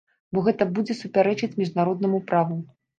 Бо гэта будзе супярэчыць міжнароднаму праву.